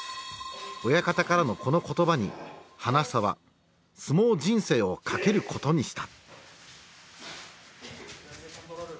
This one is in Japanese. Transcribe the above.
親方からのこの言葉に花房は相撲人生をかけることにした。